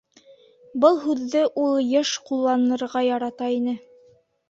Был һүҙҙе ул йыш ҡулланырға ярата ине.